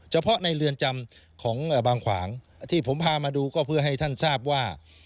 เฉพาะในเรือนจำของบางขวางที่ผมพามาดูก็เพื่อให้ท่านทราบว่า